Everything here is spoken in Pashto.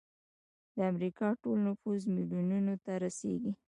د امریکا ټول نفوس میلیونونو ته رسیږي.